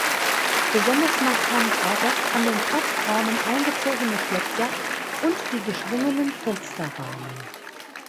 Besonders markant war das an den Plattformen eingezogene Schleppdach und die geschwungenen Fensterrahmen.